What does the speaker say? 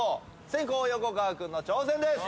先攻横川君の挑戦です。